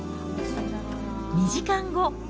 ２時間後。